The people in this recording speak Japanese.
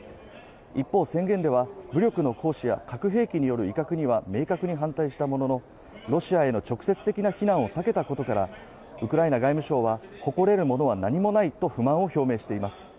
一方、宣言では武力の行使や核兵器による威嚇には明確に反対したものの、ロシアへの直接的な非難を避けたことからウクライナ外務省は誇れるものは何もないと不満を表明しています